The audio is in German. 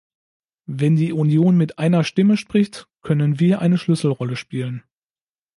Wenn die Union mit einer Stimme spricht, können wir eine Schlüsselrolle spielen.